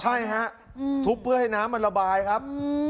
ใช่ฮะทุบเพื่อให้น้ำมันระบายครับ